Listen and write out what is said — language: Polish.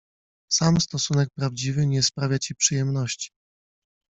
Sam stosunek prawdziwy nie sprawia ci przyjemności.